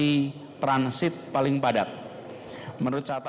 ini transit paling padat